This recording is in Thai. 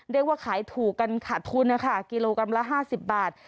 เรียกว่าขายถูกกันค่ะทุนค่ะกิโลกรัมละห้าสิบบาท